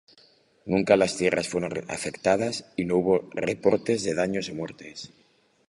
Nunca las tierras fueron afectadas, y no hubo reportes de daños o muertes.